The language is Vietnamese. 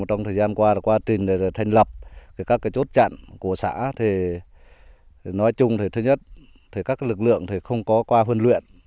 trong thời gian qua qua tình thành lập các chốt chặn của xã nói chung thứ nhất các lực lượng không có qua huấn luyện